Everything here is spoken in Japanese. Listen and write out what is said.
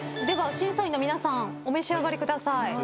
では審査員の皆さんお召し上がりください。